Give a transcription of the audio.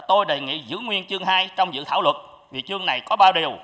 tôi đề nghị giữ nguyên chương hai trong dự thảo luật thì chương này có ba điều